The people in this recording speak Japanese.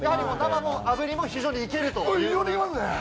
生も炙りも非常にいけると。